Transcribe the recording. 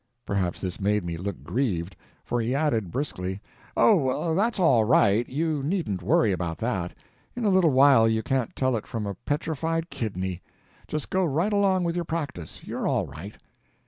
Perhaps this made me look grieved, for he added, briskly: "Oh, that's all right, you needn't worry about that; in a little while you can't tell it from a petrified kidney. Just go right along with your practice; you're all right."